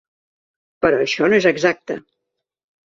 Però això no és exacte.